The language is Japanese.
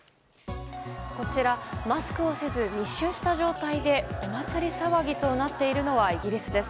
こちら、マスクをせず密集した状態でお祭り騒ぎとなっているのはイギリスです。